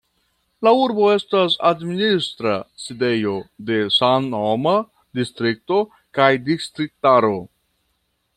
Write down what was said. La urbo estas administra sidejo de samnoma distrikto kaj distriktaro.